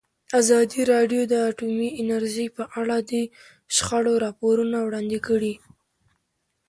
ازادي راډیو د اټومي انرژي په اړه د شخړو راپورونه وړاندې کړي.